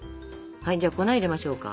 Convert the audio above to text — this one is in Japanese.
じゃあ粉入れましょうか。